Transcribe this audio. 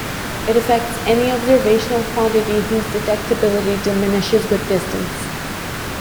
It affects any observational quantity whose detectability diminishes with distance.